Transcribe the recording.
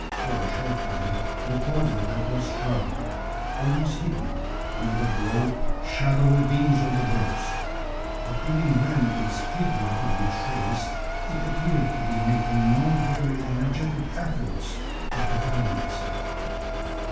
For a short time the quadruped was shrouded almost hidden under the broad, shadowy wings of the birds; but even when its figure could be traced, it appeared to be making no very energetic efforts at defending itself.